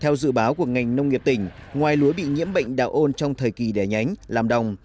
theo dự báo của ngành nông nghiệp tỉnh ngoài lúa bị nhiễm bệnh đạo ôn trong thời kỳ đẻ nhánh làm đồng